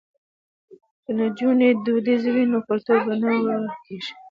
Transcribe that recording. که نجونې دودیزې وي نو کلتور به نه ورکيږي.